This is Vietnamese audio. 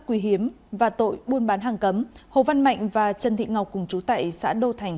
quý hiếm và tội buôn bán hàng cấm hồ văn mạnh và trần thị ngọc cùng chú tại xã đô thành